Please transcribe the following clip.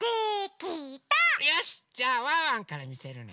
よしっじゃあワンワンからみせるね。